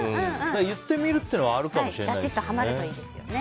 言ってみるってのはあるかもしれないですね。